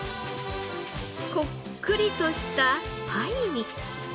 こっくりとしたパイに。